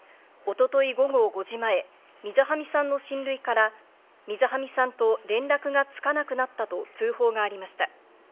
一昨日午後５時前、水喰さんの親類から水喰さんと連絡がつかなくなったと通報がありました。